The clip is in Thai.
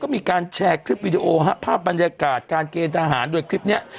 มีการแชร์คลิปวิดีโอภาพบรรยากาศการเกณฑ์ทหารโดยคลิปนี้